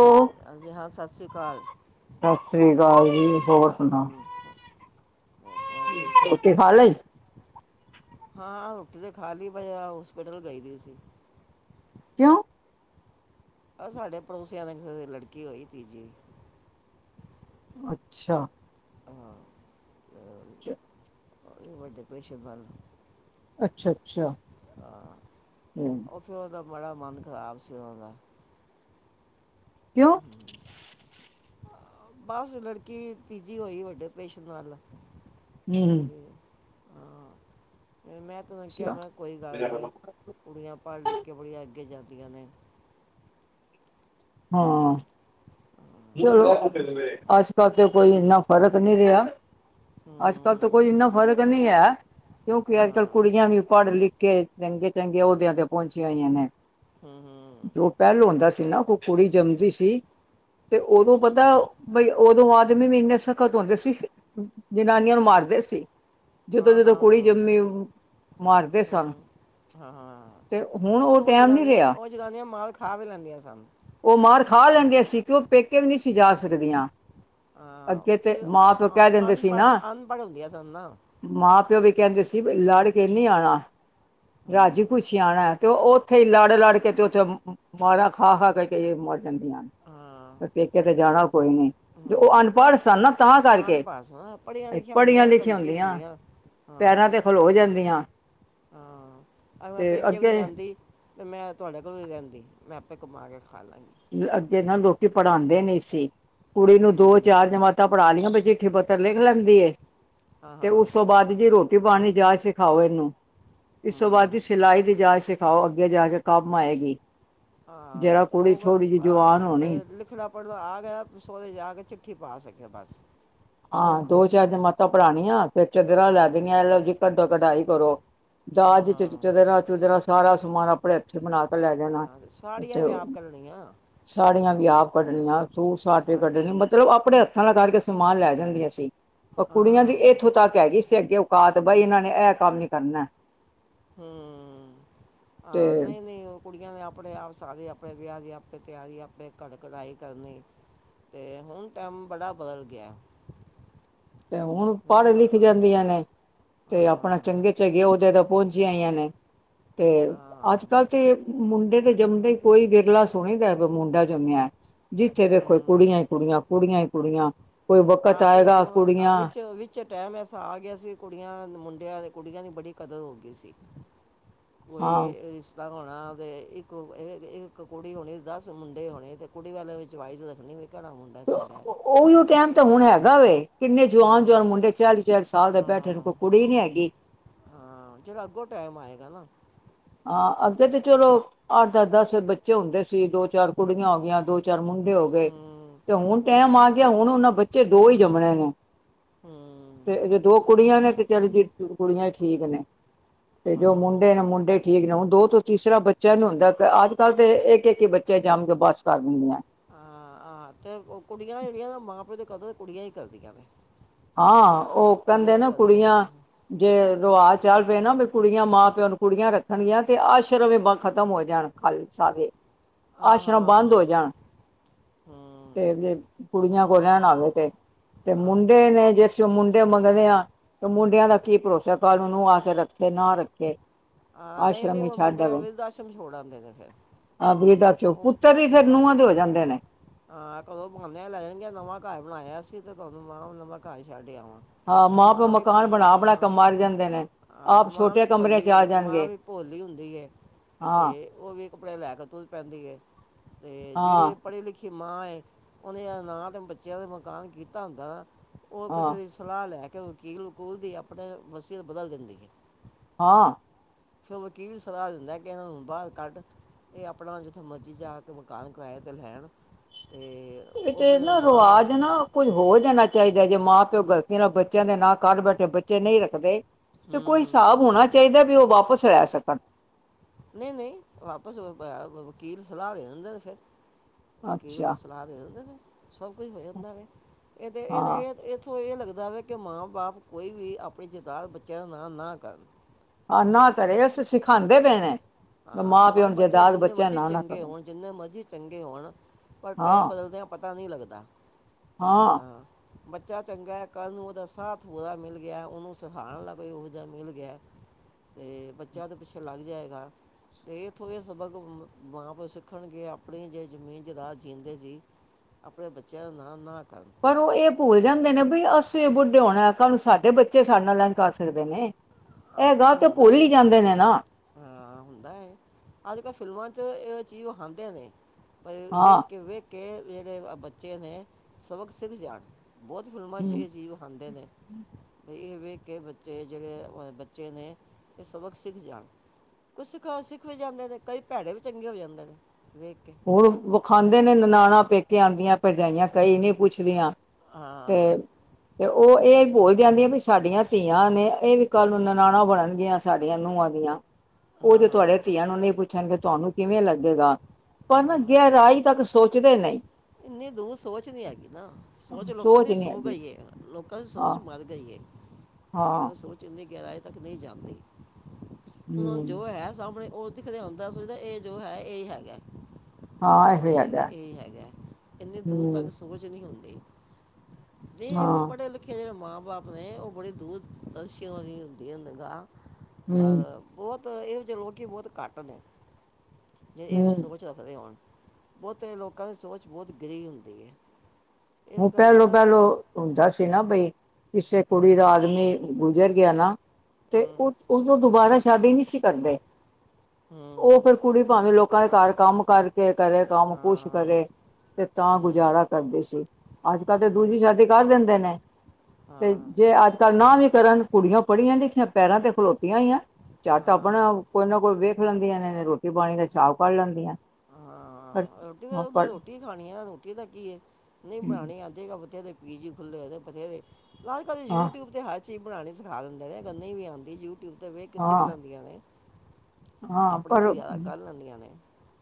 ਹੋ ਹਾਂਜੀ ਹਾਂ ਸਤਿ ਸ਼੍ਰੀ ਅਕਾਲ ਸਤਿ ਸ੍ਰੀ ਅਕਾਲ ਜੀ ਹੋਰ ਸੁਣਾ ਹਮ, ਹੋਰ ਸੁਣਾਓ ਠੀਕ ਠਾਕ ਰੋਟੀ ਖਾ ਲਈ ਹਾਂ ਰੋਟੀ ਤੇ ਖਾ ਲਈ ਪਏ ਹੋਸਪਿਟਲ ਗਈ ਦੀ ਸੀ। ਕਿਉਂ ਆ ਸਾਡੇ ਪੜੋਸੀਆਂ ਦੇ ਕਿਸੇ ਦੀ ਲੜਕੀ ਹੋਈ ਤੀਜੀ ਅੱਛਾ। ਹਾਂ ਚਾ ਤੇ ਵੱਡੇ ਆਪਰੇਸ਼ਨ ਨਾਲ ਅੱਛਾ ਅੱਛਾ ਹਮ ਆ ਫਿਰ ਉਹਦਾ ਬੜਾ ਮਨ ਖ਼ਰਾਬ ਸੀ ਉਹਦਾ ਕਿਉਂ [inaudible] ਬਸ ਲੜਕੀ ਤੀਜੀ ਹੋਈ ਵੱਡੇ ਆਪਰੇਸ਼ਨ ਨਾਲ ਤੇ ਹਮ ਹਾਂ ਮੈਂ ਤੈਨੂੰ ਕਿਹਾ ਅੱਛਾ ਮੈਂ ਕੋਈ ਗੱਲ ਨਹੀਂ ਕੁੜੀਆਂ ਪੜ ਲਿਖ ਕੇ ਬੜੀਆਂ ਅੱਗੇ ਜਾਂਦੀਆਂ ਨੇ ਹਾਂ ਹਮ, ਚਲੋ ਅੱਜ ਕੱਲ ਤੇ ਆਹ, ਕੋਈ ਇੰਨਾ ਫਰਕ ਨਹੀਂ ਰਿਹਾ ਹਮ ਅੱਜ ਕੱਲ ਤਾਂ ਕੋਈ ਹਮ ਇੰਨਾ ਫ਼ਰਕ ਨਹੀਂ ਹੈ ਕਿਉਂਕਿ ਅੱਜ ਕੱਲ ਹਾਂ ਕੁੜੀਆਂ ਵੀ ਪੜ ਲਿਖ ਕੇ ਚੰਗੇ ਚੰਗੇ ਅਹੁਦਿਆਂ ਤੇ ਪਹੁੰਚੀਆਂ ਹੋਈਆਂ ਨੇ ਹਮ ਹਮ ਜੋ ਪਹਿਲੂ ਹੁੰਦਾ ਸੀ ਨਾ ਕੁੜੀ ਜੰਮਦੀ ਸੀ ਤੇ ਉਦੋਂ ਪਤਾ ਪਈ ਉਦੋਂ ਆਦਮੀ ਵੀ ਇੰਨੇ ਸਖ਼ਤ ਹੁੰਦੇ ਸੀ ਜਨਾਨੀਆਂ ਨੂੰ ਮਾਰਦੇ ਸੀ ਜਦੋਂ ਹਾਂ ਹਾਂ ਜਦੋਂ ਕੁੜੀ ਹਾਂ ਜੰਮੀ ਉ ਮਾਰਦੇ ਸਨ ਹੂੰ ਹਾਂ ਹਾਂ ਤੇ ਹੁਣ ਉਹ ਉਦੋਂ ਟਾਈਮ ਨੀ ਜਨਾਨੀਆਂ ਰਿਹਾ ਆ ਉਹ ਜਨਾਨੀਆਂ ਮਾਰ ਖਾ ਵੀ ਲੈਂਦੀਆਂ ਸਨ ਉਹ ਮਾਰ ਖਾ ਲੈਂਦੀ ਆ ਸੀਂ ਤੇ ਉਹ ਪੇਕੇ ਵੀ ਨਹੀਂ ਸੀ ਜਾ ਸਕਦੀਆਂ ਅਹ ਅੱਗੇ ਤੇ ਮਾਂ ਪਿਓ ਆ ਕਹਿ ਦਿੰਦੇ ਸੀ ਨਾ ਅਨਪੜ੍ਹ ਅਨਪੜ੍ਹ ਸਨ ਨਾ ਮਾਂ ਪਿਓ ਵੀ ਕਹਿੰਦੇ ਸੀ ਲੜ ਕੇ ਨਹੀਂ ਆਣਾ ਰਾਜੀ ਹੂੰ ਖੁਛੀ ਆਣਾ ਤੇ ਉੱਥੇ ਹੀ ਲੜ ਲੜ ਕੇ ਤੇ ਉੱਥੇ ਮਾਾਰਾ ਖਾ ਖਾ ਕੇ ਕੇ ਮਰ ਜਾਂਦੀਆਂ ਨੇ ਹਾਂ ਤੇ ਪੇਕੇ ਤੇ ਜਾਣਾ ਕੋਈ ਨਹੀਂ ਤੇ ਉਹ ਹੂੰ ਅਨਪੜ੍ਹ ਅਨਪੜ ਸਨ ਨਾ ਤਾਂ ਕਰਕੇ ਅਨਪੜ ਸਨ ਪੜੀਆਂ ਲਿਖੀਆਂ ਹੁੰਦੀਆਂ ਪੜ੍ਹੀਆਂ ਤੇ ਲਿਖੀਆਂ ਧਮਕੀ ਹੁੰਦੀਆਂ ਦਿੰਦੀਆਂ ਹਾਂ ਪੈਰਾਂ ਤੇ ਖਲੋ ਜਾਂਦੀਆਂ ਹਾਂ ਆਹ ਮੈ ਤੇ ਪੇਕੀ ਵੀ ਅੱਗੇ ਜਾਂਦੀ ਈ ਤੇ ਮੈਂ ਤੁਹਾਡੇ ਕੋ ਵੀ ਰਹਿੰਦੀ ਮੈਂ ਆਪੇ ਕਮਾ ਕੇ ਖਾ ਲਾਂਗੀ ਅੱਗੇ ਤਾਂ ਲੋਕੀ ਪੜ੍ਹਾਉਂਦੇ ਨੀ ਸੀ ਕੁੜੀ ਨੂੰ ਦੋ ਹੂੰ ਚਾਰ ਜਮਾਤਾਂ ਪੜਾ ਲੀਆਂ ਬੇਟੇ ਲਿਖ ਲੈਂਦੀ ਹ ਹਾਂ ਤੇ ਹਾਂ ਉਸ ਤੋਂ ਬਾਅਦ ਵੀ ਟਿਵਾਣੀ ਜਾ ਸਿਖਾਓ ਇਹਨੂੰ ਇਸ ਤੋਂ ਬਾਅਦ ਦੀ ਹੂੰ ਸਿਲਾਈ ਦੀ ਜਾ ਖਾਓ ਅੱਗੇ ਜਾ ਕੇ ਕੰਮ ਆਏਗੀ ਹਾਂ ਜਰਾ ਤੇ ਕੁੜੀ ਉਹ ਵਲ ਥੋੜ੍ਹੀ ਜਿਹੀ ਜਵਾਨ ਹੋਣੀ। ਲਿਖਣਾ ਪੜ੍ਹਵਾ ਗਿਆ ਸੋਰੇ ਜਾ ਕੇ ਚਿੱਠੀ ਪਾ ਸਕੇ ਬਸ ਹਾਂ ਦੋ ਚਾਰ ਜਮਾਤਾਂ ਪਰਾਣੀਆਂ। ਫੇਰ ਚੱਦਰਾਂ ਲੈ ਹਾਂ ਦੇਣੀਆਂ ਐਲੋ ਜੀ ਕੱਢੋ। ਕਢਾਈ ਕਰੋ। ਦਾਜ ਚ ਹਾਂ ਚਦਰਾਂ ਚੁਦਰਾਂ ਸਾਰਾ ਸਮਾਨ ਆਪ ਪੜੇ ਹਥੀਂ ਬਣਾ ਕੇ ਲੈ ਜਾਣਾ ਹਾਂ ਤੇ ਸਾੜੀਆਂ ਤੇ ਵੀ ਉਹ ਆਪ ਕਰਣੀਆਂ ਸਾੜੀਆਂ ਵੀ ਆਪ ਕੱਢਣੀਆਂ ਸੂਟ ਸਾਟ ਵੀ ਸਾੜੀਆਂ ਕੱਢਣੇ ਮਤਲਬ ਆਪਣੇ ਹੱਥਾਂ ਨਾਲ ਕਰਕੇ ਸਮਾਨ ਲੈ ਗਦੀਆਂ ਸੀ ਪਰ ਕੁੜੀਆਂ ਦੀ ਹਾਂ ਏਥੋਂ ਤੱਕ ਹੈਗੀ ਸੀ ਅੱਗੇ ਓਕਾਤ ਬਾਈ ਏਨਾਂ ਨੇ ਐ ਕੰਮ ਨਹੀ ਕਰਨਾ ਹੂ ਆ ਤੇ ਨਈ ਨਈ ਓ ਕੁੜੀਆਂ ਨੇ ਆਪਣੇ ਆਪ ਸਾਰੇ ਆਪਣੇ ਵਿਆ ਦੀਆਂ ਆਪੇ ਤਿਆਰੀਆਂ ਆਪਣੇ ਕੜਕੜਾਈ ਕਰਨੀ ਈ ਤੇ ਹੁਣ ਟੈਮ ਬੜਾ ਬਦਲ ਗਿਆ ਤੇ ਹੁਣ ਪੜ੍ਹ ਲਿਖ ਜਾਂਦੀਆਂ ਨੇ ਤੇ ਆਪਣਾ ਹਾਂ ਚੰਗੇ ਚਗੇ ਓਦੇ ਤੇ ਪਹੁੰਚੀਆਂ ਹੋਈਆਂ ਨੇ ਤੇ ਅੱਜ ਕੱਲ੍ਹ ਤੇ ਮੁੰਡੇ ਤੇ ਜੰਮਦੇ ਈ ਕੋਈ ਵਿਰਲਾ ਸੁਣੀ ਦਾ ਕੋਈ ਮੁੰਡਾ ਜੰਮਿਆ ਜਿੱਥੇ ਵੇਖੋ ਹੂੰ ਕੁੜੀਆਂ ਈ ਕੁੜੀਆਂ ਕੁੜੀਆਂ ਈ ਕੁੜੀਆਂ ਕੋਈ ਵਕਤ ਤੇ ਆਏਗਾ ਹੁਣ ਆ ਕੁੜੀਆਂ ਵਿੱਚ ਤੇ ਉਹ ਵਿੱਚ ਟੈਮ ਐਸਾ ਆ ਗਿਆ ਸੀ ਕੁੜੀਆਂ ਮੁੰਡਿਆਂ ਦੇ ਕੁੜੀਆਂ ਦੀ ਬੜੀ ਕਦਰ ਹੋ ਗਈ ਸੀ ਓਈ ਹਾਂ ਏ ਰਿਸ ਦਾ ਹੋਣਾ ਤੇ ਇੱਕ‌ ਅ ਇੱਕ ਕੁੜੀ ਹੋਣੀ ਦਸ ਮੁੰਡੇ ਹੋਣੇ ਤੇ ਕੁੜੀ ਵਾਲਿਆਂ ਵਿੱਚ ਚਵਾਇਜ਼ ਰੱਖਣੀ ਵੀ ਕੇੜਾ ਮੁੰਡਾ ਚੰਗਾ ਚੋਂ ਓ ਲੋ ਟ ਟੈਮ ਤੇ ਹੁਣ ਹੈਗਾ ਵੇ ਕਿੰਨੇ ਜੁਆਨ ਹਾਂ ਜੁਆਨ ਮੁੰਡੇ ਚਾਲੀ ਚਾਲੀ ਸਾਲ ਦੇ ਬੈਠੇ ਨੇ ਕੋਈ ਹਾਂ ਕੁੜੀ ਨੀ ਹੈਗੀ ਈ ਹਾਂ ਜੇਰਾ ਅੱਗੋਂ ਟੈਮ ਆਏਗਾ ਨਾ ਆਂ ਅੱਗੇ ਤੇ ਜ- ਚਲੋ ਅੱਠ ਦਸ ਦਸ ਬੱਚੇ ਹੁੰਦੇ ਸੀ ਦੋ ਚਾਰ ਕੁੜੀਆਂ ਹੋ ਗਈਆਂ ਦੋ ਚਾਰ ਮੁੰਡੇ ਹੋ ਗਏ ਹਮ, ਤੇ ਹੁਣ ਟੈਮ ਹਮ, ਆ ਗਿਆ ਹੁਣ ਓਨਾਂ ਬੱਚੇ ਦੋ ਈ ਜੰਮਣੇ ਨੇ ਹਮ, ਤੇ ਜੇ ਦੋ ਕੁੜੀਆਂ ਨੇ ਤੇ ਚੱਲ ਜੀ ਕੁੜੀਆਂ ਈ ਠੀਕ ਨੇ ਤੇ ਹਾਂ ਜੋ ਹਾਂ ਮੁੰਡੇ ਨੇ ਮੁੰਡੇ ਠੀਕ ਨੇ ਹੁਣ ਦੋ ਤੋਂ ਤੀਸਰਾ ਬੱਚੇ ਨੀ ਹੁੰਦਾ ਤੇ ਅੱਜ ਕੱਲ੍ਹ ਤੇ ਇੱਕ-ਇੱਕ ਬੱਚੇ ਜੰਮ ਕੇ ਬੱਸ ਕਰ ਦਿੰਦੀਆਂ। ਆਹ ਹਾਂ ਤੇ ਕੁੜੀਆਂ ਜੇੜੀਆਂ ਨਾ ਮਾਂ ਪਿਓ ਦੀ ਕਦਰ ਕੁੜੀਆਂ ਈ ਕਰਦੀਆਂ ਨੇ। ਹਾਂ ਓ ਕੈਂਦੇ ਕੁੜੀਆਂ ਹੀ ਨੇ ਕਰਦੀਆਂ ਨੇ ਕੁੜੀਆਂ ਜੇ ਹਾਂ ਰਵਾਜ ਚੱਲ ਪਏ ਨਾ ਵੀ ਕੁੜੀਆਂ ਮਾਂ ਪਿਓ ਨੂੰ ਕੁੜੀਆਂ ਰੱਖਣਗੀਆਂ ਤੇ ਆਸ਼ਰਮ ਈ ਖ਼ਤਮ ਹੋ ਜਾਣ। ਖੱਲ ਸਾਰੇ ਹਾਂ ਆਸ਼ਰਮ ਬੰਦ ਹਾਂ ਹੋ ਜਾਣ। ਹਮ, ਤੇ ਜੇ ਕੁੜੀਆਂ ਕੋਲ ਰੈਂਣਾ ਹੋਵੇ ਤੇ-ਤੇ ਹਾਂ ਮੁੰਡ ਡੇ ਨੇ ਜੇ ਅਸੀਂ ਓ ਮੁੰਡੇ ਮੰਗਨੇ ਆਂ। ਤੇ ਮੁੰਡਿਆਂ ਦਾ ਕੀ ਭਰੋਸਾ ਕਲ ਨੂੰ ਨੂੰਹ ਆ ਕੇ ਰੱਖੇ ਨਾ ਰੱਖੇ। ਹਾਂ ਨਈ-ਨਈ ਆਸ਼ਰਮ ਹੀ ਛੱਡ ਮੁੰਡੇ ਵਿਰਦਾਸ਼ਮ ਛੋੜ ਆਂਦੇ ਨੇ ਫੇਰ ਆਬਰੀ ਦਾ ਚੋ ਪੁੱਤਰ ਵੀ ਫੇਰ ਨੂੰਹਾਂ ਦੇ ਹੋ ਜਾਂਦੇ ਨੇ। ਹਾਂ ਘਰੋਂ ਬਾਣੇ ਨਾ ਲੈ ਜਾਣਗੀਆਂ ਨਵਾਂ ਘਾਰ ਬਣਾਇਆ ਸੀ ਤੇ ਤਾਨੂੰ ਮਾਂ ਨਵਾਂ ਘਾਰ ‌ਈ ਛੱਡ ਆਵਾਂ। ਹਾਂ ਮਾਂ ਪਿਓ ਮਕਾਨ ਬਣਾ-ਬਣਾ ਕੇ ਮਰ ਜਾਂਦੇ ਨੇ। ਆਂ ਆਪ ਮਾਂ ਵੀ ਛੋਟੇ ਕਮਰੇ ਭੋਲੀ ਚ ਆ ਮਾਂ ਜਾਣਗੇ ਵੀ ਭੋਲੀ ਹੁੰਦੀ ਏ। ਹਾਂ ਓ ਵੀ ਕੱਪੜੇ ਲੈ ਕੇ ਧੁਲ ਪੈਂਦੀ ਏ ਤੇ ਹਾਂ ਜੇੜੇ ਪੜੀ ਲਿਖੀ ਮਾਂ ਏ ਓਨੇ ਨਾ ਤੇ ਬੱਚਿਆਂ ਦਾ ਮਕਾਨ ਕੀਤਾ ਹੁੰਦਾ ਓ ਹਾਂ ਕਿਸੇ ਦੀ ਸਲਾ ਲੈ ਕੇ ਵਕੀਲ ਵਕੂਲ ਦੀ ਆਪਣੇ ਵਸੀਅਤ ਬਦਲ ਦਿੰਦੀ ਏ। ਹਾਂ ਫੇਰ ਓ ਵਕੀਲ ਸਲਾਹ ਦਿੰਦਾ ਕਿ ਏਨਾਂ ਨੂੰ ਬਾਰ ਕੱਢ। ਏ ਆਪਣਾ ਜਿੱਥੇ ਮਰਜ਼ੀ ਜਾ ਕੇ ਮਕਾਨ ਕਰਾਏ ਤੇ ਲੈਣ ਤੇ ਏ ਉਹ ਤੇ ਫਿਰ ਨਾ ਮਾਂ ਰਵਾਜ ਏ ਨਾ ਕੁੱਝ ਹੋ ਜਾਣਾ ਚਾਈਦਾ ਜੇ ਮਾਂ ਪਿਓ ਗਲਤੀ ਨਾਲ ਬੱਚਿਆਂ ਦੇ ਨਾ ਕਰ ਬੈਠੇ ਬੱਚੇ ਨਈ ਰੱਖਦੇ ਤੇ ਕੋਈ ਹੂੰ ਸਾਬ ਹੋਣਾ ਚਾਈਦਾ ਵੀ ਓ ਵਾਪਸ ਲੈ ਸਕਣ। ਨਈ-ਨਈ ਵਾਪਸ ਓ ਐ ਵ ਵ ਵਕੀਲ ਸਲਾ ਦੇ ਦਿੰਦੇ ਨੇ ਫੇਰ ਵਕੀਲ ਅੱਛਾ ਸਲਾਹ ਦੇ ਦਿੰਦੇ ਨੇ ਸਭ ਕੁਝ ਹੋ ਜਾਂਦਾ ਵੇ ਇਦੇ-ਇਦੇ ਹਾਂ ਏ। ਇਸ ਸੋ ਐ ਲੱਗਦਾ ਵੇ ਕਿ ਮਾਂ ਬਾਪ ਕੋਈ ਵੀ ਆਪਣੀ ਜਾਇਦਾਦ ਬੱਚਿਆਂ ਨਾਮ ਨਾ ਕਰਨ ਆ ਨਾ ਕਰੇ ਅਸੀ ਸਿਖਾਂਦੇ ਪੇ ਨੇ। ਹਾਂ ਮਾਂ ਪਿਓ ਭਾਵੇਂ ਨੂੰ ਬੱਚੇ ਜਾਇਦਾਦ ਜਿੰਨੇ ਬੱਚਿਆਂ ਮਰਜ਼ੀ ਨਾ ਨਾ ਚੰਗੇ ਕਰੋ ਹੋਣ ਜਿੰਨੇ ਮਰਜ਼ੀ ਚੰਗੇ ਹੋਣ ਪਰ ਟਾਈਮ ਹਾਂ ਬਦਲਦਿਆਂ ਪਤਾ ਨਈ ਲੱਗਦਾ ਹਾਂ। ਬੱਚਾ ਚੰਗਾ ਐ ਕੱਲ ਨੂੰ ਉਦਾ ਸਾਥ ਹੋਰਾ ਮਿਲ ਗਿਆ ਉਨੂੰ ਸਿਖਾਣ ਆਲਾ ਕੋਈ ਇਹੋ ਜਿਹਾ ਮਿਲ ਗਿਆ। ਤੇ ਬੱਚਾ ਉਦੇ ਪਿੱਛੇ ਲੱਗ ਜਾਏਗਾ। ਤੇ ਇੱਥੋਂ ਇਹ ਸਬਕ ਮਾਂ-ਪਿਓ ਸਿੱਖਣਗੇ ਆਪਣੀ ਜੇ ਜ਼ਮੀਨ ਜਜਾਦ ਜੀਂਦੇ ਜੀ। ਆਪਣੇ ਬੱਚਿਆਂ ਨਾਮ ਨਾ ਕਰਨ। ਪਰ ਓ ਇਹ ਭੁੱਲ ਜਾਂਦੇ ਨੇ ਬਈ ਅਸੀਂ ਬੁੱਢੇ ਹੋਣਾ ਕਲ ਨੂੰ ਸਾਡੇ ਬੱਚੇ ਸਾਡੇ ਨਾਲ ਏਂਜ ਕਰ ਸਕਦੇ ਨੇ। ਆ ਐ ਗਲ ਤੇ ਹੁੰਦਾ ਭੁੱਲ ਈ ਜਾਂਦੇ ਨੇ ਨਾ। ਹਾਂ ਹੁੰਦਾ ਐ ਅੱਜ ਕੱਲ ਫਿਲਮਾਂ 'ਚ ਇਹ ਚੀਜ਼ ਵਿਖਾਂਦੇ ਨੇ। ਬਈ ਹਾਂ ਲੇਖ ਕੇ ਵੇਖ ਕੇ ਜੇੜੇ ਬੱਚੇ ਨੇ ਸਬਕ ਸਿੱਖ ਜਾਣ। ਬੋਤ ਫਿਲਮਾਂ 'ਚ ਹਮ ਏ ਚੀਜ਼ ਵਿਖਾਂਦੇ ਨੇ ਵੀ ਏ ਵੇਖ ਕੇ ਬੱਚੇ ਜੇੜੇ ਬੱਚੇ ਨੇ ਏ ਸਬਕ ਸਿੱਖ ਜਾਣ। ਕੁਛ ਸਿਖਾਉ ਸਿਖ ਵੀ ਜਾਂਦੇ ਨੇ ਕਈ ਭੈੜੇ ਵੀ ਚੰਗੇ ਹੋ ਜਾਂਦੇ ਨੇ ਵੇਖ ਕੇ ਓ ਵਖਾਂਦੇ ਨੇ ਨਨਾਣਾ ਪੇਕੇ ਆਂਦੀਆਂ ਭਰਜਾਈਆਂ ਕਈ ਨਈ ਪੁੱਛਦੀਆਂ। ਤੇ ਹਾਂ ਤੇ ਓ ਇਹ ਭੁਲ ਜਾਂਦੀਆਂ ਵੀ ਸਾਡੀਆਂ ਧੀਆਂ ਨੇ ਏ ਵੀ ਕੱਲ ਨੂੰ ਨਨਾਣਾ ਬਣਨਗੀਆਂ। ਸਾਡੀਆਂ ਨੂੰਹਾਂ ਦੀਆਂ ਓ ਹਾਂ ਜੇ ਤੁਹਾਡੇ ਹਾਂ ਧੀਆਂ ਨੂੰ ਨਈ ਪੁੱਛਣਗੇ ਤੁਹਾਨੂੰ ਕਿਵੇਂ ਲੱਗੇਗਾ। ਪਰ ਹਮ, ਨਾ, ਹਮ ਗਹਿਰਾਈ ਤੱਕ ਸੋਚਦੇ ਨਹੀ ਇੰਨੀ ਦੂਰ ਸੋਚ ਨੀ ਹੈਗੀ ਨਾ। ਸੋਚ ਲੋਕਾਂ ਦੀ ਨੀ ਸੋ ਹੈਗੀ ਗਈ ਏ। ਲੋਕਾਂ ਦੀ ਸੋਚ ਹਾਂ ਮਰ ਗ‌ਈ ਏ। ਲੋਕਾਂ ਹਾਂ ਦੀ ਸੋਚ ਇੰਨੀ ਗਹਿਰਾਈ ਤੱਕ ਨਈ ਜਾਂਦੀ। ਤੇ ਹੁਨ ਹਮ ਜੋ ਹੈ ਸਾਹਮਣੇ ਉਹ ਦਿਖ ਰਿਹਾ ਹੁੰਦਾ। ਸੋਚਦਾ ਇਹ ਜੋ ਹੈ ਏਹਿ ਹੈਗਾ ਸਾਮਣੇ ਇਹ ਹੈਗਾ, ਇਹੀ ਹੈਗਾ। ਇੰਨੀ ਦੂਰ ਹਮ ਤੱਕ ਸੋਚ ਨਈ ਹੁੰਦੀ। ਦੇਈ ਵੋ ਹਾਂ ਪੜ੍ਹੇ-ਲਿਖੇ ਜਿਹੜੇ ਮਾਂ ਬਾਪ ਨੇ, ਉਹ ਬੜੀ ਦੂਰਦਰਸ਼ੀ ਉਹਨਾਂ ਦੀ ਹੁੰਦੀ ਐ ਨਿਗਾਹ ਹਮ ਪਰ, ਬੋਤ ਏਹੋ ਜੇ ਲੋਕੀਂ ਬੋਤ ਘੱਟ ਨੇ ਜੇੜੇ ਏ ਹਮ ਸੋਚ ਰੱਖਦੇ ਹੋਣ, ਬਹੁਤੇ ਲੋਕਾਂ ਦੀ ਸੋਚ ਬੋਤ ਗਿਰੀ ਹੁੰਦੀ ਏ। ਵੋ ਪਹਿਲੋ-ਪਹਿਲੋ ਹੁੰਦਾ ਸੀ ਨਾ ਬਈ, ਕਿਸੇ ਕੁੜੀ ਦਾ ਆਦਮੀ ਗੁਜ਼ਰ ਗਿਆ ਨਾ ਤੇ ਹਮ, ਓ ਉਸਨੂੰ ਦੁਬਾਰਾ ਸ਼ਾਦੀ ਨੀ ਸੀ ਕਰਦੇ। ਹਮ ਓ ਫੇਰ ਕੁੜੀ ਭਾਵੇਂ ਲੋਕਾਂ ਦੇ ਘਰ ਕੰਮ ਕਰਕੇ ਕਰੇ, ਕੰਮ ਕੁਛ ਹਾਂ ਕਰੇ ਤੇ ਤਾਂ ਹਾਂ ਗੁਜ਼ਾਰਾ ਕਰਦੇ ਸੀ। ਅੱਜ-ਕੱਲ ਤੇ ਦੂਸਰੀ ਸ਼ਾਦੀ ਕਰ ਦਿੰਦੇ ਨੇ। ਤੇ ਜੇ ਅੱਜ-ਕੱਲ੍ਹ ਨਾ ਵੀ ਕਰਨ। ਕੁੜੀਆਂ ਪੜ੍ਹੀਆਂ ਲਿਖੀਆਂ ਪੈਰਾਂ ਤੇ ਖਲੋਤੀਆਂ ਹੋਈਆਂ ਝੱਟ ਆਪਣਾ ਹਾਂ ਕੋਈ ਨਾ ਕੋਈ ਵੇਖ ਲੈਂਦੀਆਂ ਨੇ। ਰੋਟੀ ਪਾਣੀ ਦਾ [unintelligible] ਲੈਂਦੀਆਂ ਪਰ ਹਾਂ, ਰੋਟੀ ਦਾ ਉਹ ਤਾਂ ਪਰ ਰੋਟੀ ਖਾਣੀ ਐ, ਰੋਟੀ ਦਾ ਕੀ ਏ। ਨਈ ਬਣਾਣੀ ਐ ਠੀਕ ਆ, ਬਥੇਰੇ ਪੀਜੀ ਖੁੱਲੇ ਹੋਏ ਆ। ਬਥੇਰੇ, ਨਾ ਈ ਕੋਈ ਹਾਂ ਯੂਟਿਊਬ ਤੇ ਹਾਲ ਚੀਜ਼ ਬਣਾਂਣੀ ਸਿਖਾ ਦਿੰਦੇ ਨੇ। ਅਗਰ ਨਹੀ ਵੀ ਆਂਦੀ, ਯੂਟਿਊਬ ਤੇ ਵੇਖ ਕੇ ਸਿੱਖ ਹਾਂ ਲੈਂਦੀਆਂ ਨੇ। ਹਾਂ ਆਪਣੇ ਲਈ ਪਰ ਵਿਆਹ ਕਰ ਲੈਂਦੀਆਂ ਨੇ।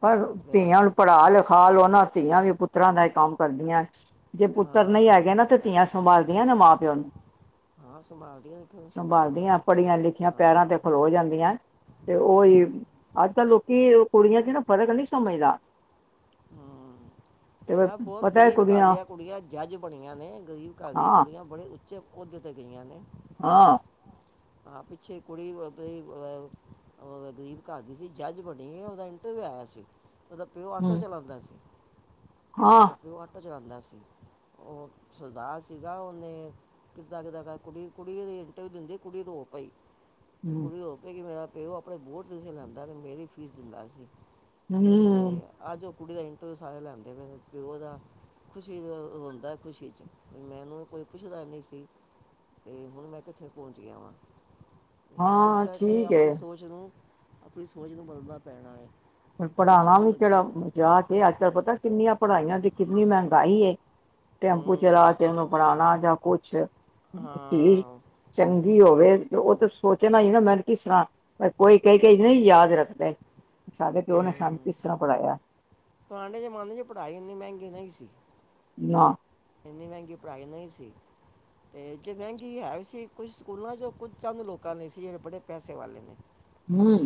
ਪਰ, ਆਪਣੇ ਧੀਆਂ ਵਾਸਤੇ ਨੂੰ ਪੜ੍ਹਾ-ਲਿਖਾ ਲੋ ਨਾ। ਧੀਆਂ ਵੀ ਪੁੱਤਰਾਂ ਦਾ ਈ ਕੰਮ ਕਰਦੀਆਂ। ਜੇ ਪੁੱਤਰ ਨਈ ਹਾਂ ਹੈਗੇ ਨਾ ਤੇ ਧੀਆਂ ਸੰਭਾਲਦੀਆਂ ਨੇ ਮਾਂ-ਪਿਓ ਨੂੰ ਹਾਂ ਸੰਭਾਲਦੀਆਂ ਨੇ ਫਿਰ ਸੰਭਾਲਦੀਆਂ, ਪੜ੍ਹੀਆਂ-ਲਿਖੀਆਂ ਪੈਰਾਂ ਹਾਂ ਤੇ ਖਲੋ ਜਾਂਦੀਆਂ ਤੇ ਓ ਈ, ਹਮ, ਅੱਜ-ਕੱਲ੍ਹ ਲੋਕੀ ਕੁੜੀਆਂ 'ਚ ਨਾ ਫਰਕ ਨਹੀ ਸਮਝਦਾ ਹੂੰ। ਤੇ ਐਹ ਬਹੁਤ ਪਤਾ ਹੈ ਗਰੀਬ ਘਰ ਦੀਆਂ ਕੁੜੀਆਂ ਜੱਜ ਬਣੀਆਂ ਨੇ। ਗ਼ਰੀਬ ਘਰ ਦੀਆਂ ਹਾਂ ਕੁੜੀਆਂ ਬੜੇ ਉਚੇ ਕੋਹਦੇ ਤੇ ਗਈਆਂ ਨੇ। ਹਾਂ। ਆ ਪਿੱਛੇ ਕੁੜੀ ਓ, ਪਈ ਐ ਓਹ ਗਰੀਬ ਘਰ ਦੀ ਸੀ। ਜੱਜ ਬਣੀ ਓਹਦਾ ਇੰਟਰਵਿਊ ਆਇਆ ਸੀ। ਓਦਾ ਪਿਓ ਆਟੋ ਹਮ ਚਲਾਂਦਾ ਸੀ। ਹਾਂ ਓਦਾ ਪਿਓ ਆਟੋ ਚਲਾਂਦਾ ਸੀ। ਉਹ ਸਰਦਾਰ ਸੀਗਾ। ਉਹਨੇ ਕਿਦਾ-ਕਿਦਾ ਕਰ ਕੁੜੀ। ਕੁੜੀ ਉਹਦੀ ਇੰਟਰਵਿਊ ਦਿੰਦੀ ਕੁੜੀ ਰੋ ਪਈ। ਹਮ ਕੁੜੀ ਰੋ ਪਈ ਕਿ ਮੇਰਾ ਤੇ ਉਹ ਆਪਣੇ ਬੋਟ ਨੀ ਸੀ ਲੈਂਦਾ ਤੇ ਮੇਰੀ ਫੀਸ ਦਿੰਦਾ ਸੀ। ਹਮ ਤੇ ਅੱਜ ਉਹ ਕੁੜੀ ਦਾ ਇੰਟਰਵਿਊ ਸਾਰੇ ਲੈਂਦੇ ਪ‌ਏ ਨੇ। ਪਿਓ ਉਹਦਾ ਖੁਸ਼ੀ ਦਾ ਰੋਂਦਾ, ਖੁਸ਼ੀ 'ਚ। ਮੈਂਨੂੰ ਕੋਈ ਪੁੱਛਦਾ ਨ੍ਹੀਂ ਸੀ। ਤੇ ਹੁਣ ਮੈਂ ਕਿੱਥੇ ਪਹੁੰਚ ਗਿਆ ਵਾਂ। ਤੇ ਇਸ ਹਾਂ ਕਰਕੇ ਠੀਕ ਹੈ ਆਪਣੀ ਸੋਚ ਨੂੰ, ਆਪਣੀ ਸੋਚ ਨੂੰ ਬਦਲਣਾ ਪੈਣਾ ਏ। ਹੁਣ ਪੜ੍ਹਾਣਾ ਵੀ ਕਿਹੜਾ ਮਜ਼ਾਕ ਏ। ਅੱਜ-ਕੱਲ੍ਹ ਪਤਾ ਕਿੰਨੀਆਂ ਪੜ੍ਹਾਈਆਂ ਤੇ ਕਿੰਨੀ ਮਹਿੰਗਾਈ ਏ। ਟੈਂਪੂ ਚਲਾ ਹੂੰ ਕੇ ਉਹਨੂੰ ਪੜਾਨਾ ਜਾਂ ਕੁੱਛ। ਧੀ ਹਾਂ ਚੰਗੀ ਹੋਵੇ ਉਹ ਤੇ ਸੋਚਣਾ ਈ ਨਾ ਮੈਨੂੰ ਕਿਸੇ ਤਰ੍ਹਾਂ ਪਰ ਕੋਈ ਕਈ-ਕਈ ਨਹੀਂ ਯਾਦ ਰੱਖਦੇ। ਕੀ ਸਾਡੇ ਪਿਓ ਨੇ ਸਾਨੂੰ ਹੂੰ ਕਿਸ ਤਰ੍ਹਾਂ ਪੜ੍ਹਾਇਆ। ਪੁਰਾਣੇ ਜ਼ਮਾਨੇ 'ਚ ਪੜ੍ਹਾਈ ਇੰਨੀ ਮਹਿੰਗੀ ਨਹੀਂ ਸੀ। ਨਾ। ਇੰਨੀ ਮਹਿੰਗੀ ਪੜ੍ਹਾਈ ਨਹੀਂ ਸੀ। ਤੇ ਜੇ ਮਹਿੰਗੀ ਹੈ ਵੀ ਸੀ। ਕੁਝ ਸਕੂਲਾਂ ਚੋ ਕੁਝ ਚੰਦ ਲੋਕਾਂ ਲਈ ਸੀ, ਜਿਹੜੇ ਬੜੇ ਪੈਸੇ ਵਾਲੇ ਨੇ। ਹਮ।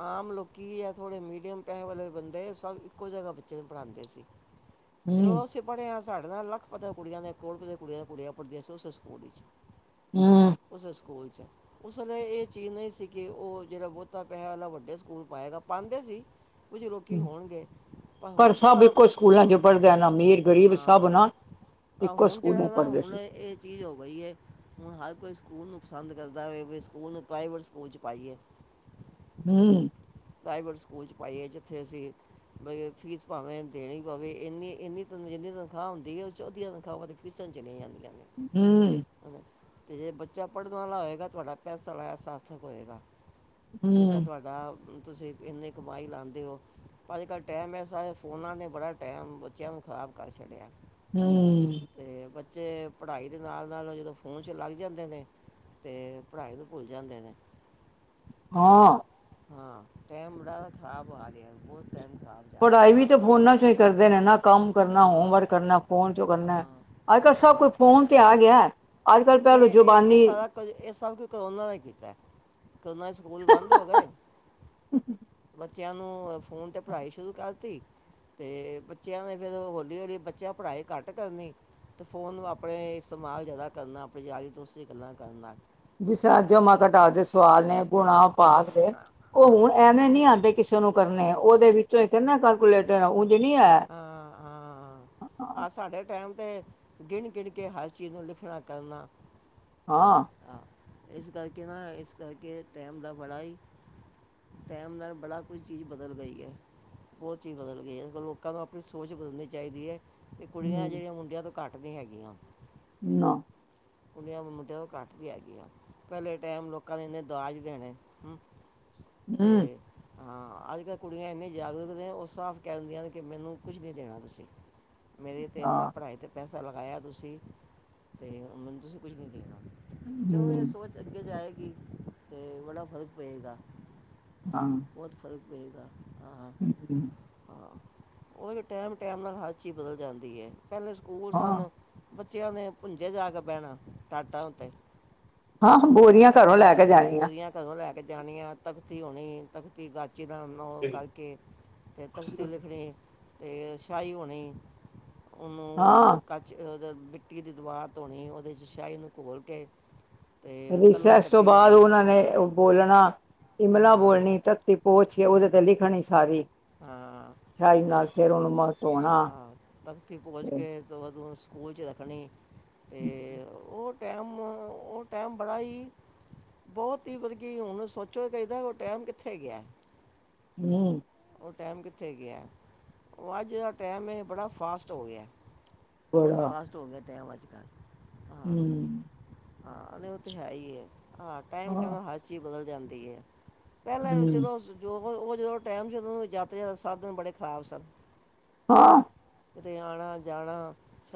ਆਮ ਲੋਕੀ ਆ ਥੋੜ੍ਹੇ ਮੀਡੀਅਮ ਪੈਸੇ ਵਾਲੇ ਬੰਦੇ, ਸਭ ਇੱਕੋ ਜਗ੍ਹਾ ਬੱਚੇ ਨੂੰ ਪੜ੍ਹਾਉਂਦੇ ਸੀ। ਜੋ ਅਸੀਂ ਪੜੇ ਆ, ਸਾਢ ਨਾਲੋਂ ਲੱਖ ਪਤਾ ਕੁੜੀਆਂ ਦੇ ਕਰੋੜਪਤੀ ਦੀਆਂ, ਕੁੜੀਆਂ ਦਾ ਕੁੜੀਆਂ ਪੜ੍ਹਦੀਆਂ ਸੀ ਉਸੇ ਸਕੂਲ ਵਿੱਚ। ਹਮ। ਉਸ ਸਕੂਲ 'ਚ ਉਸੇਲੇ ਇਹ ਚੀਜ਼ ਨਹੀਂ ਸੀ, ਕਿ ਉਹ ਜਿਹੜਾ ਬਹੁਤਾ ਪੈਸੇ ਵਾਲਾ ਵੱਡੇ ਸਕੂਲ ਪਾਏਗਾ, ਪਾਉਂਦੇ ਸੀ। ਕੁਝ ਲੋਕੀ ਹੋਣਗੇ, ਪਰ ਹੁਣ ਤਾਂ, ਹਾਂ। ਆਹ ਹੁਣ ਜਿਹੜਾ ਨਾ, ਹੁਣ ਇਹ ਚੀਜ਼ ਹੋ ਗਈ ਹੈ। ਹੁਣ ਹਰ ਕੋਈ ਸਕੂਲ ਨੂੰ ਪਸੰਦ ਕਰਦਾ ਵੇ, ਵੀ ਸਕੂਲ ਨੂੰ ਪ੍ਰਾਈਵੇਟ ਸਕੂਲ 'ਚ ਪਾਈਏ। ਹਮ। ਪ੍ਰਾਈਵੇਟ ਸਕੂਲ 'ਚ ਪਾਈਏ, ਜਿੱਥੇ ਅਸੀਂ ਬਈ ਫੀਸ ਭਾਵੇਂ ਦੇਣੀ ਪਵੇ। ਇੰਨੀ-ਇੰਨੀ ਜਿੰਨੀ ਤਨਖਾਹ ਹੁੰਦੀ ਹੈ, ਉਹ 'ਚੋ ਅਦੀਆ ਤਨਖਾਹਾ ਤੇ ਫੀਸਾ ਚਲੀ ਜਾਂਦੀਆਂ ਨੇ। ਹਮ। ਤੇ ਜੇ ਬੱਚਾ ਪੜ੍ਹਨ ਵਾਲਾ ਹੋਏਗਾ, ਤੁਹਾਡਾ ਪੈਸਾ ਲਾ ਸਾਰਥਕ ਹੋਏਗਾ। ਇਹ ਤਾਂ ਤੁਹਾਡਾ, ਤੁਸੀਂ ਇੰਨੀ ਕਮਾਈ ਲਾਉਂਦੇ ਹੋ। ਪਰ ਅੱਜ ਕੱਲ੍ਹ ਟਾਈਮ ਐਸਾ, ਫ਼ੋਨਾਂ ਨੇ ਬੜਾ ਟਾਈਮ, ਬੱਚਿਆਂ ਨੂੰ ਖ਼ਰਾਬ ਕਰ ਛੱਡਿਆ। ਹਮ। ਤੇ ਬੱਚੇ ਪੜ੍ਹਾਈ ਦੇ ਨਾਲ ਨਾਲ, ਜਦੋਂ ਫੋਨ 'ਚ ਲੱਗ ਜਾਂਦੇ ਨੇ ਤੇ ਪੜ੍ਹਾਈ ਵੀ ਭੁੱਲ ਜਾਂਦੇ ਨੇ। ਹਾਂ, ਟੇਮ ਬੜਾ ਖਰਾਬ ਆ ਗਿਆ, ਬਹੁਤ ਟੇਮ ਖਰਾਬ ਏ। ਪੜ੍ਹਾਈ ਵੀ ਤਾਂ ਫੋਨਾਂ ਚੋਂ ਹੀ ਕਰਦੇ ਨੇ ਨਾ, ਕੰਮ ਕਰਨਾ, ਹਾਂ ਹੋਮਵਰਕ ਕਰਨਾ ਫੋਨ 'ਚੋਂ ਕਰਨਾ। ਹਾਂ ਅੱਜ ਕੱਲ, ਸਭ ਕੋਈ ਹਾਂ ਫੋਨ ਤੇ ਆ ਗਿਆ। ਅਜ ਕੱਲ ਭਹਿਲੋ ਇਹ ਇਹ ਜਬਾਨੀ ਤੇ, ੳਨਾ ਦੇ ਸਕੂਲ ਬੰਦ ਹੋ ਗਏ। ਬੱਚਿਆਂ ਨੂੰ, ਫੋਨ ਤੇ ਪੜ੍ਹਾਈ ਸ਼ੁਰੂ ਕਰਤੀ। ਤੇ ਬੱਚਿਆਂ ਨੇ ਫਿਰ, ਹੌਲੀ-ਹੌਲੀ ਬੱਚਿਆਂ ਪੜ੍ਹਾਈ ਘੱਟ ਕਰਨੀ। ਤੇ ਫ਼ੋਨ ਨੂੰ ਆਪਣੇ, ਇਸਤੇਮਾਲ ਜ਼ਿਆਦਾ ਕਰਨਾ। ਆਪਣੀ ਯਾਰੀ-ਦੋਸਤੀ ਗੱਲਾਂ ਕਰਨਾ। ਜਿਸ ਤਰ੍ਹਾਂ ਜਮਾ-ਘਟਾ ਦੇ ਸਵਾਲ ਨੇ, ਗੁਣਾ-ਭਾਗ ਦੇ, ਹਾਂ ਉਹ ਹੁਣ ਐਵੇਂ ਨਹੀਂ ਆਉਂਦੇ ਕਿਸੇ ਨੂੰ ਕਰਨੇ, ਉਹਦੇ ਵਿੱਚੋਂ ਇੱਕ ਕਹਿੰਦੇ ਕੈਲਕੂਲੇਟਰ ਜਿਹਣੀ ਹੈ। ਹਾਂ ਹਾਂ, ਆਹ ਸਾਡੇ ਟਾਈਮ ਤੇ ਗਿਣ-ਗਿਣ ਕੇ ਹਰ ਚੀਜ਼ ਨੂੰ ਲਿਖਣਾ ਕਰਨਾ, ਤੇ ਹਾਂ ਇਸ ਕਰਕੇ ਨਾ, ਇਸ ਕਰਕੇ ਟਾਈਮ ਦਾ ਬੜਾ ਹੀ ਟਾਈਮ ਨਾਲ, ਬੜਾ ਕੁਝ ਚੀਜ਼ ਬਦਲ ਗਈ ਹੈ। ਬਹੁਤ ਚੀਜ਼ ਬਦਲ ਗਈ। ਇਸ ਲ ਲੋਕਾਂ ਨੂੰ ਆਪਣੀ ਸੋਚ ਬਦਲਣੀ ਚਾਹੀਦੀ ਹੈ, ਕਿ ਕੁੜੀਆਂ ਹੂੰ ਜਿਹੜੀਆਂ ਮੁੰਡਿਆਂ ਤੋਂ ਘੱਟ ਨਹੀਂ ਹੈਗੀਆਂ। ਨਾ। ਕੁਡੀਆਂ ਮੁੰਡਿਆਂ ਤੋਂ ਕੱਟ ਨੀ ਹੈਗੀਆਂ, ਪਹਿਲੇ ਟਾਈਮ ਲੋਕਾਂ ਨੇ ਇੰਨੇ ਦਾਜ ਦੇਣੇ ਹਮ। ਤੇ ਹਾਂ, ਅਜ ਕੱਲ ਕੁੜੀਆਂ ਇੰਨੇ ਜਾਗਰੂਕ ਨੇ, ਉਹ ਸਾਫ਼ ਕਹਿ ਦਿੰਦੀਆਂ ਨੇ ਕਿ ਮੈਨੂੰ ਕੁਛ ਨਹੀਂ ਦੇਣਾ ਤੁਸੀਂ, ਮੇਰੇ ਤੇ ਇੰਨਾ ਹਾਂ, ਪੜ੍ਹਾਈ ਪੈਸਾ ਲਗਾਇਆ ਤੁਸੀਂ, ਤੇ ਮੈਨੂੰ ਤੁਸੀਂ ਕੁਝ ਨਹੀਂ ਦੇਣਾ। ਚਲੋ, ਇਹ ਹੂੰ, ਸੋਚ ਅੱਗੇ ਜਾਏਗੀ ਤੇ ਬੜਾ ਫ਼ਰਕ ਪਏਗਾ। ਤੇ ਹਾਂ। ਬਹੁਤ ਫ਼ਰਕ ਪਏਗਾ। ਹਾਂ, ਹੂੰ, ਹਾਂ ਹਾਂ ਓਹੀ ਤੇ ਟੈਮ-ਟੈਮ ਨਾਲ ਹਰ ਚੀਜ਼ ਬਦਲ ਜਾਂਦੀ ਐ। ਪਹਿਲੇ ਸਕੂਲ ਹਾਂ। ਸਨ। ਬੱਚਿਆਂ ਨੇ ਭੁੰਜੇ ਜਾ ਕੇ ਬੈਣਾ ਟਾਟਾਂ ਉੱਤੇ। ਹਾਂ, ਬੋਰੀਆਂ ਘਰੋਂ ਲੈ ਕੇ ਜਾਣੀਆਂ। ਬੋਰੀਆਂ ਘਰੋਂ ਲੈ ਕੇ ਜਾਣੀਆਂ, ਤਖਤੀ ਹੋਣੀ, ਤਖਤੀ ਗਾ ਗਾਚੀ ਨਾ ਓਨੂੰ ਕਰਕੇ ਤੇ ਤਖਤੀ ਲਿਖਣੀ, ਤੇ ਸ਼ਾਹੀ ਹੁਣੀ ਉਹਨੂੰ [unintelligible] ਹਾਂ, ਉਹਦ ਮਿੱਟੀ ਦੀ ਦਵਾਤ ਧੋਣੀ, ਉਹਦੇ ਚ ਸ਼ਾਹੀ ਨੂੰ ਘੋਲ ਕੇ ਤੇ ਕਲਮ ਰਿਸੈਸ ਕੱਟ ਤੋਂ ਬਾਅਦ ਓਨਾਂ ਨੇ ਬੋਲਣਾ, ਇਮਲਾ ਹਾਂ ਬੋਲਣੀ ਤਤ ਪੋਛ ਕੇ ਓਦੇ ਤੇ ਲਿਖਣੀ ਸਾਰੀ ਹਾਂ, ਸ਼ਾਹੀ ਨਾਲ ਤਖ਼ਤੀ ਫੇਰ ਉਹਨੂੰ ਪੋਜ ਮ ਧੋਣਾ। ਹਾਂ, ਤਖ਼ਤੀ ਪੋਜ਼ ਹੂੰ, ਕੇ ਤੇ ਔਦੋਂ ਸਕੂਲ ਚ ਰੱਖਣੀ ਤੇ ਓ ਟੈਮ ਓ, ਓ ਟੈਮ ਬੜਾ ਈ ਬੋਤ ਈ ਬਲਕਿ ਹੁਣ ਸੋਚੋ ਕ ਚਾਈਦਾ, ਕਿ ਓ ਟੈਮ ਕਿੱਥੇ ਗਿਆ। ਹਂ। ਓ ਟੈਮ ਕਿੱਥੇ ਗਿਆ। ਓ ਅੱਜ ਦਾ ਟੈਮ ਏ ਬੜਾ ਫਾਸਟ ਹੋ ਗਿਆ। ਬੋਤ ਬੜਾ ਫਾਸਟ ਹੋ ਗਿਆ, ਟੈਮ ਅੱਜ-ਕਲ। ਹਾਂ ਹੂੰ, ਹਾਂ, ਨੀਂ ਓ ਤੇ ਹੈ ਈ ਐ, ਹਾਂ ਟਾਈਮ-ਟਾਈਮ ਹਾਂ, ਨਾਂ ਹਰ ਚੀਜ਼ ਬਦਲ ਜਾਂਦੀ ਐ। ਪਹਿਲਾਂ ਹੂੰ, ਜਦੋਂ, ਸ ਜੋ ਉਹ ਓ ਜਦੋਂ ਟਾਈਮ ਜਦੋਂ ਓ ਜਾਤੇ ਸਾਧਨ ਬੜੇ ਖ਼ਰਾਬ ਸਨ। ਹਾਂ। ਕਿਤੇ ਆਣਾ-ਜਾਣਾ